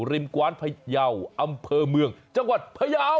ริมกวานพะเย่าอำเภอเมืองจังหวัดพะเย่า